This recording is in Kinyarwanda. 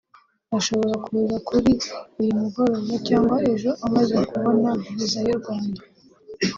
ashobora kuza kuri uyu mugoroba cyangwa ejo amaze kubona visa y’u Rwanda